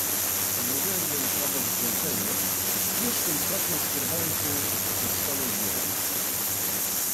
"Odłożyłem więc na bok zmęczenie i śpiesznym krokiem skierowałem się ku opuszczonej wieży."